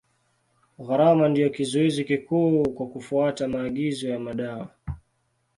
Gharama ndio kizuizi kikuu kwa kufuata maagizo ya madawa.